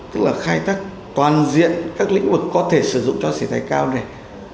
tức là khai tác toàn diện các lĩnh vực có thể sử dụng cho sỉ thái cao này